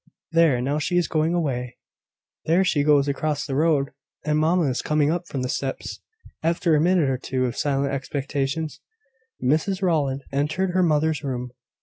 There! now she is going away. There she goes across the road! and mamma is coming up the steps." After a minute or two of silent expectation, Mrs Rowland entered her mother's room.